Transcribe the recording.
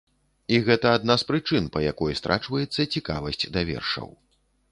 І гэта адна з прычын, па якой страчваецца цікавасць да вершаў.